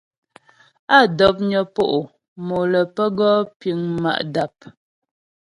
Á dɔpnyə po' mo lə́ pə́ gɔ piŋ ma' dap.